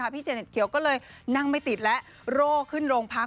พี่เจเน็ตเขียวก็เลยนั่งไม่ติดและโร่ขึ้นโรงพัก